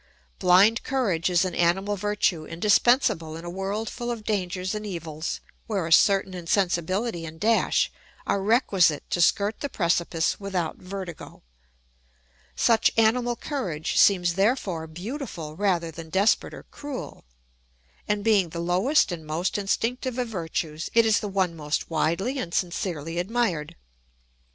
Blind courage is an animal virtue indispensable in a world full of dangers and evils where a certain insensibility and dash are requisite to skirt the precipice without vertigo. Such animal courage seems therefore beautiful rather than desperate or cruel, and being the lowest and most instinctive of virtues it is the one most widely and sincerely admired.